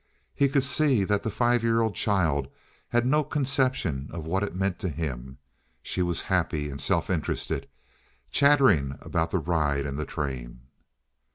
He could see that the five year old child had no conception of what it meant to him. She was happy and self interested, chattering about the ride and the train.